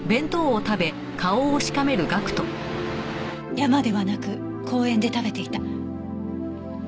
山ではなく公園で食べていた。